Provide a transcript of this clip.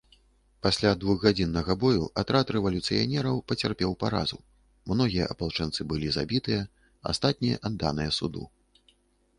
Пасля двухгадзіннага бою атрад рэвалюцыянераў пацярпеў паразу, многія апалчэнцы былі забітыя, астатнія адданыя суду.